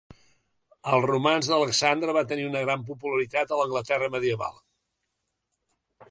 El romanç d'Alexandre va tenir una gran popularitat a l'Anglaterra medieval.